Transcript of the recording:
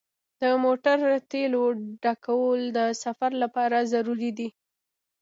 د موټر تیلو ډکول د سفر لپاره ضروري دي.